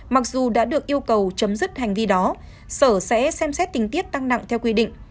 mặc dù đã được yêu cầu chấm dứt hành vi đó sở sẽ xem xét tình tiết tăng nặng theo quy định